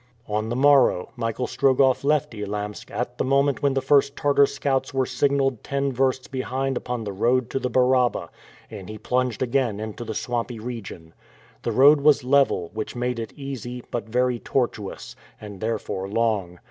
On the morrow, Michael Strogoff left Elamsk at the moment when the first Tartar scouts were signaled ten versts behind upon the road to the Baraba, and he plunged again into the swampy region. The road was level, which made it easy, but very tortuous, and therefore long.